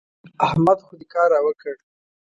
احمد خو دې کار را وکړ.